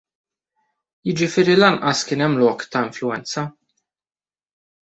Jiġifieri lanqas kien hemm lok ta' influwenza.